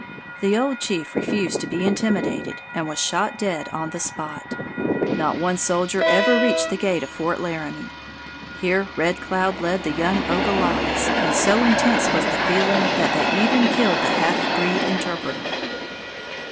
The old chief refused to be intimidated and was shot dead on the spot. Not one soldier ever reached the gate of Fort Laramie! Here Red Cloud led the young Ogallalas, and so intense was the feeling that they even killed the half breed interpreter.